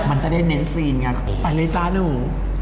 มันจะได้เน้นซีนไงไปเลยจ้าหนู